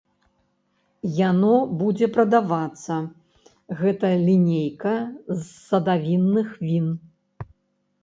Яно будзе прадавацца, гэта лінейка з садавінных він.